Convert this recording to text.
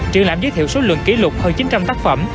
triển lãm giới thiệu số lượng kỷ lục hơn chín trăm linh tác phẩm